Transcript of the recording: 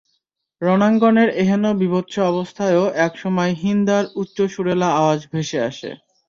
রণাঙ্গনের এহেন বীভৎস অবস্থায়ও এক সময় হিন্দার উচ্চ সুরেলা আওয়াজ ভেসে আসে।